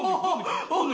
お！